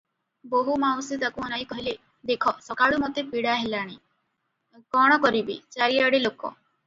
ବୋହୂମାଉସୀ ତାକୁ ଅନାଇ କହିଲେ, "ଦେଖ ସକାଳୁ ମୋତେ ପୀଡ଼ା ହେଲାଣି, କଣ କରିବି, ଚାରିଆଡ଼େ ଲୋକ ।